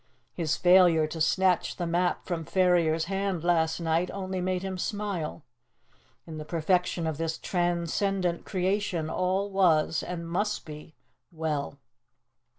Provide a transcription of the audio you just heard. His failure to snatch the map from Ferrier's hand last night only made him smile. In the perfection of this transcendent creation all was, and must be, well!